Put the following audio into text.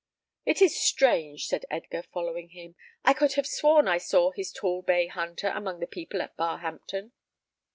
"It is strange," said Edgar, following him. "I could have sworn I saw his tall bay hunter among the people at Barhampton."